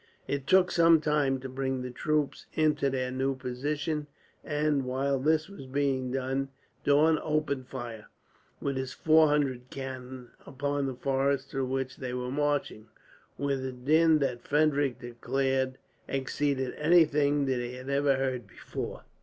It took some time to bring the troops into their new position and, while this was being done, Daun opened fire, with his four hundred cannon, upon the forest through which they were marching, with a din that Frederick declared exceeded anything that he ever heard before.